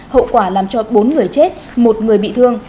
hậu quả làm cho bốn người chết một người bị thương